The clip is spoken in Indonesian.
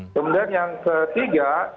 kemudian yang ketiga